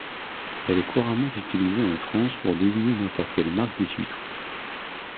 Elle est couramment utilisée en France pour désigner n'importe quelle marque d'essuie-tout.